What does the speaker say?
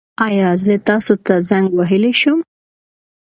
ایا زه تاسو ته زنګ وهلی شم؟